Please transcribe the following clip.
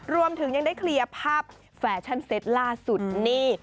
รวมถึงยังได้เคลียร์ภาพแฟชั่นเซตล่าสุดนี่